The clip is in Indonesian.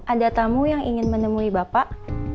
ada tamu yang ingin menemui bapak